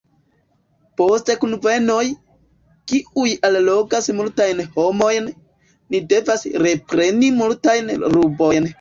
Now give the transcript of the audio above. Post kunvenoj, kiuj allogas multajn homojn, ni devas repreni multajn rubojn.